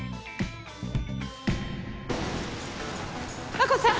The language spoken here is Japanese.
和子さん！